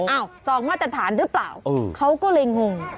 สองมาตรฐานหรือเปล่าเขาก็เลยงง